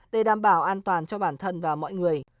để đảm bảo an toàn cho bản thân và mọi người